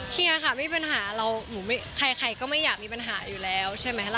เคลียร์ค่ะไม่มีปัญหาเราใครก็ไม่อยากมีปัญหาอยู่แล้วใช่ไหมล่ะ